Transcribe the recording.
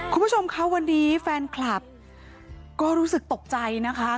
คุณผู้ชมคะวันนี้แฟนคลับก็รู้สึกตกใจนะคะ